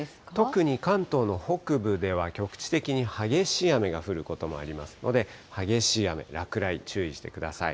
特に関東の北部では局地的に激しい雨が降ることもありますので、激しい雨、落雷、注意してください。